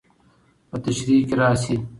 په تشريحي کې راشي.